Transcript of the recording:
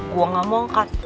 gue gak mau angkat